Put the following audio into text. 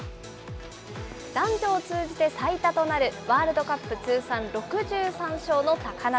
男女を通じて最多となるワールドカップ通算６３勝の高梨。